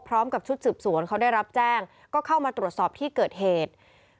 พร้อมกับชุดสืบสวนเขาได้รับแจ้งก็เข้ามาตรวจสอบที่เกิดเหตุ